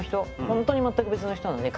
本当に全く別の人なので。